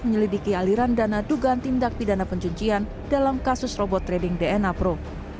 menyelidiki aliran dana dugaan tindak pidana pencuncian dalam kasus robot trading dna pro